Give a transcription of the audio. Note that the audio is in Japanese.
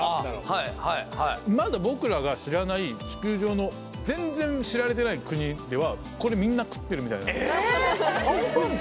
まだ僕らが知らない地球上の全然知られてない国ではこれみんな食ってるみたいなえっ！？